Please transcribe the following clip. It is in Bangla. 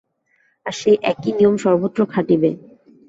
আর সেই একই নিয়ম সর্বত্র খাটিবে।